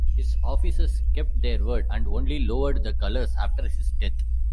His officers kept their word, and only lowered the colours after his death.